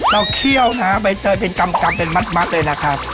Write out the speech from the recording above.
เราเขี้ยวนะฮะใบเตยเป็นกำกำเป็นมัดเลยนะครับ